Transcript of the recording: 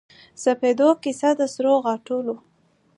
سپیدو کیسه د سروغاټولو